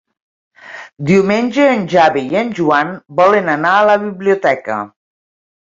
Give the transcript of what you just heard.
Diumenge en Xavi i en Joan volen anar a la biblioteca.